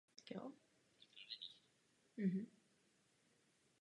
Dosud ji nemáte.